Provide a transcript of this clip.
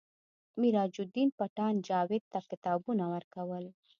میراج الدین پټان جاوید ته کتابونه ورکول